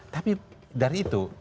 tapi dari itu